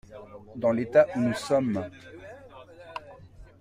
Dans l’état où nous sommes.